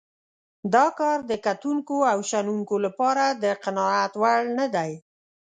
دا کار د کتونکو او شنونکو لپاره د قناعت وړ نه دی.